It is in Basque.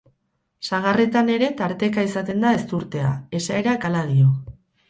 Sagarretan ere tarteka izaten da ezurtea, esaerak hala dio.